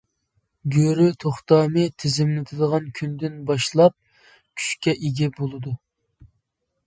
گۆرۈ توختامى تىزىملىتىلغان كۈندىن باشلاپ كۈچكە ئىگە بولىدۇ.